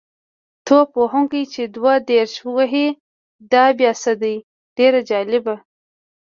توپ وهونکی چې دوه دېرش وهي دا بیا څه دی؟ ډېر جالبه.